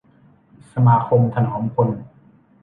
สมาคมถนอมพล